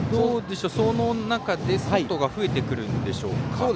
その中で外が増えてくるんでしょうか。